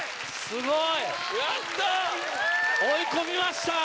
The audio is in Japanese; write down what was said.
すごい！追い込みました！